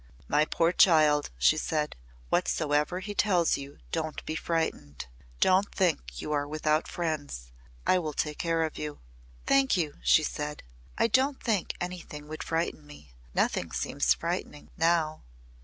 "My poor child," she said. "Whatsoever he tells you don't be frightened. Don't think you are without friends. I will take care of you." "Thank you," she said. "I don't think anything would frighten me. Nothing seems frightening now."